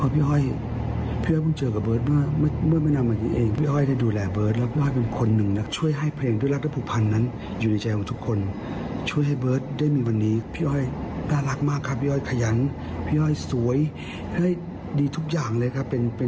พี่น้อยน่ารักมากครับพี่น้อยขยันพี่น้อยสวยดีทุกอย่างเลยครับ